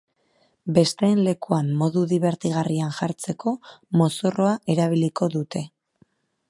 Besteen lekuan modu dibertigarrian jartzeko, mozorroa erabiliko dute.